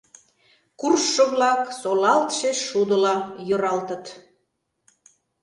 Куржшо-влак солалтше шудыла йӧралтыт.